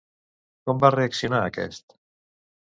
Com va reaccionar aquest?